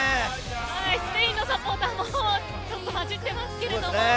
スペインのサポーターもちょっと交じってますけれども。